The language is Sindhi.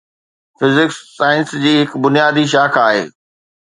فزڪس سائنس جي هڪ بنيادي شاخ آهي